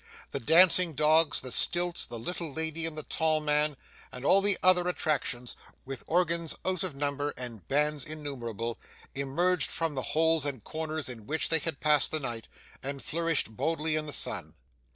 The dancing dogs, the stilts, the little lady and the tall man, and all the other attractions, with organs out of number and bands innumerable, emerged from the holes and corners in which they had passed the night, and flourished boldly in the sun.